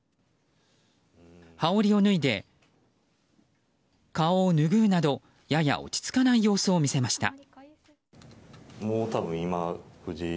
羽織を脱いで顔をぬぐうなどやや落ち着かない様子を見せました。